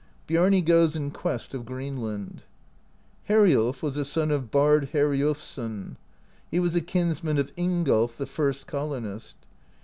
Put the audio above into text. BIARNI GOES IN QUEST 01^ GREENI.AND. Heriulf (62) was a son of Bard Heriulf sson. He was a kinsman of Ingolf, the first colonist.